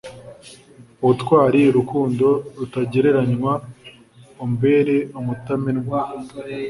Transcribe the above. ubutwari, rukundo rutagereranywa, umbere umutamenwa